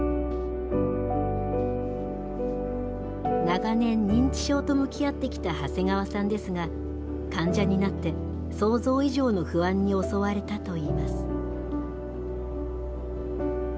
長年認知症と向き合ってきた長谷川さんですが患者になって想像以上の不安に襲われたといいます。